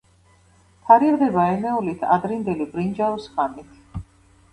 თარიღდება ენეოლით-ადრინდელი ბრინჯაოს ხანით.